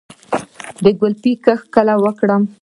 د ګلپي کښت کله وکړم؟